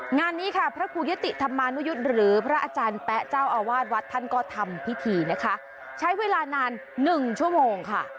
งานนี้ค่ะพระครูยุติธรรมานุยุทธ์หรือพระอาจารย์แป๊ะเจ้าอาวาสวัดท่านก็ทำพิธีนะคะใช้เวลานานหนึ่งชั่วโมงค่ะ